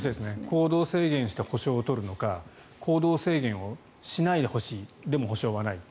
行動制限をして補償を取るのか行動制限しないでほしいでも、補償はない。